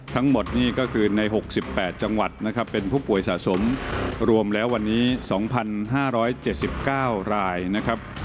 ทั้งหมดนี่ก็คือใน๖๘จังหวัดนะครับเป็นผู้ป่วยสะสมรวมแล้ววันนี้๒๕๗๙รายนะครับ